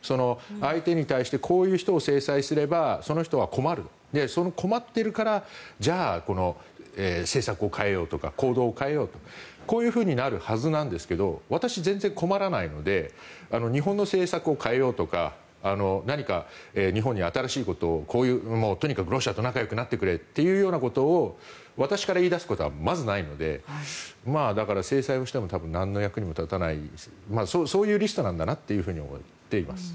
相手に対してこういう人を制裁すればその人は困る困っているからじゃあ、この政策を変えようとか行動を変えようとこういうふうになるはずなんですけど私、全然困らないので日本の政策を変えようとか何か日本に新しいことをこういうロシアととにかく仲よくなってくれというようなことを私から言い出すことはまずないのでだから、制裁をしても多分、何の役にも立たないそういうリストなんだなと思っています。